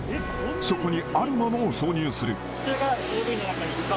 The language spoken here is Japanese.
そこにあるものを挿入する。